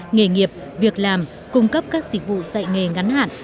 nghề nghiệp việc làm cung cấp các dịch vụ dạy nghề ngắn hạn